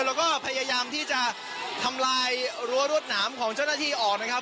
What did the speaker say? แล้วก็พยายามที่จะทำลายรั้วรวดหนามของเจ้าหน้าที่ออกนะครับ